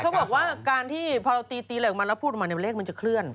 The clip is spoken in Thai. ก็บอกว่าการที่พอตีเรียกมันแล้วพูดมาในเลขมันจะเคลื่อน